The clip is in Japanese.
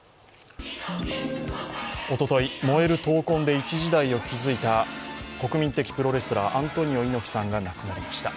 おととい、燃える闘魂で一時代を築いた国民的プロレスラー、アントニオ猪木さんが亡くなりました。